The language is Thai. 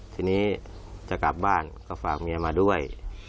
ทีนี้จะกลับบ้านก็ฝากเมียมาด้วย